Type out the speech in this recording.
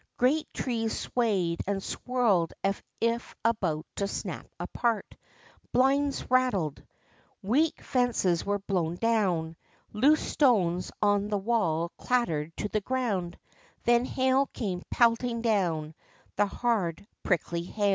Great trees swayed and swirled as if about to snap apart. Blinds rattled. Weak fences were blown down. Loose stones on the wall clattered to the ground. Then hail came pelting down, the hard, prickly hail.